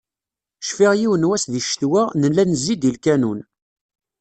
Cfiɣ yiwen n wass di ccetwa, nella nezzi-d i lkanun.